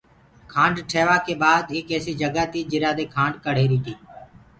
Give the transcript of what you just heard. کآنڊ ٺيوآ ڪي بآد ايڪ ايسي جگآ تي جرآ مي کآڙ رهيري تي۔